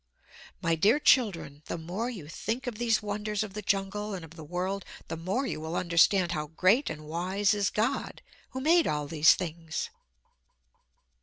My dear children, the more you think of these wonders of the jungle and of the world, the more you will understand how great and wise is God, Who made all these things.